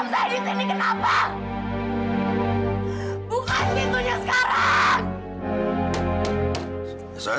bahkan no trabalhah